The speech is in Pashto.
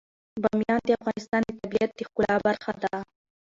بامیان د افغانستان د طبیعت د ښکلا برخه ده.